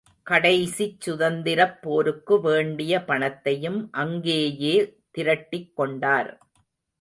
கடைசிச் சுதந்திரப் போருக்கு வேண்டிய பணத்தையும் அங்கேயே திரட்டிக்கொண்டார்.